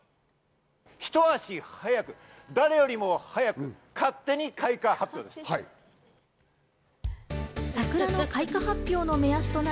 ひと足早く、誰よりも早く勝手に開花発表です。